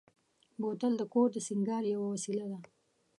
بوتل د کور د سینګار یوه وسیله ده.